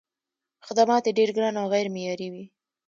خدمات یې ډېر ګران او غیر معیاري وي.